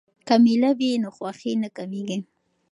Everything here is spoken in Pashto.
که میله وي نو خوښي نه کمېږي.